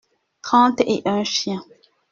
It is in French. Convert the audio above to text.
Trente et un chiens.